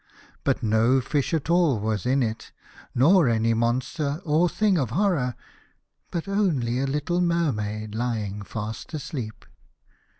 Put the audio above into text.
But no fish at all was in it, nor any monster or thing of horror, but only a little Mermaid lying fast asleep.